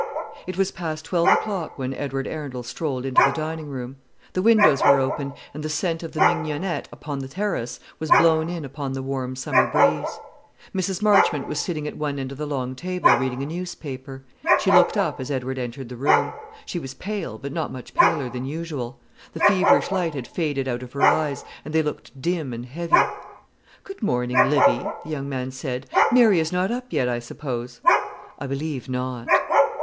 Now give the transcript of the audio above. It was past twelve o'clock when Edward Arundel strolled into the dining room. The windows were open, and the scent of the mignionette upon the terrace was blown in upon the warm summer breeze. Mrs. Marchmont was sitting at one end of the long table, reading a newspaper. She looked up as Edward entered the room. She was pale, but not much paler than usual. The feverish light had faded out of her eyes, and they looked dim and heavy. "Good morning, Livy," the young man said. "Mary is not up yet, I suppose?" "I believe not."